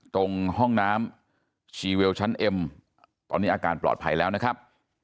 ตรงห้องน้ำชีเวลชั้นเอ็มตอนนี้อาการปลอดภัยแล้วนะครับ